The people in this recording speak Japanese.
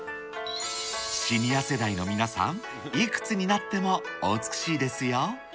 シニア世代の皆さん、いくつになってもお美しいですよ。